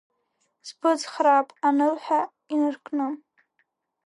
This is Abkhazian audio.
Сбыцхраап, анылҳәа инаркны.